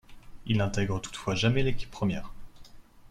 Il n’intègre toutefois jamais l’équipe première.